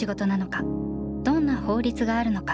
「どんな法律があるのか」